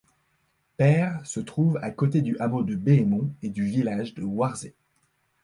Pair se trouve à côté du hameau de Béemont et du village de Warzée.